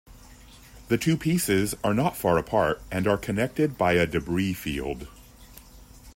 The two pieces are not far apart and are connected by a debris field.